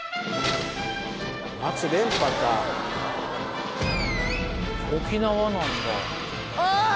連覇か沖縄なんだああー！